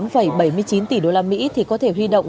bốn bảy mươi chín tỷ usd thì có thể huy động